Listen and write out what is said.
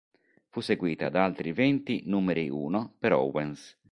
Fu seguita da altri venti "numeri uno" per Owens.